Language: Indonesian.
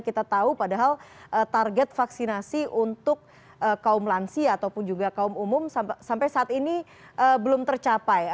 kita tahu padahal target vaksinasi untuk kaum lansia ataupun juga kaum umum sampai saat ini belum tercapai